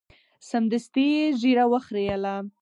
سمدستي یې ږیره وخریله.